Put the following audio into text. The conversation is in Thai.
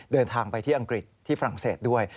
เดินทางไปที่อังกฤษที่ฝรั่งเศสด้วย